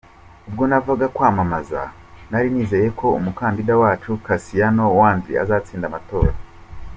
Ubwo navaga kwamamaza, nari nizeye ko umukandida wacu Kassiano Wadri azatsinda amatora.